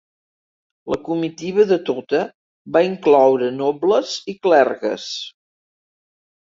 La comitiva de Tota va incloure nobles i clergues.